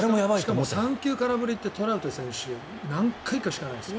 しかも３球空振りってトラウト選手何回かしかないです。